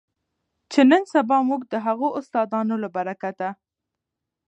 چې نن سبا مونږ د هغو استادانو له برکته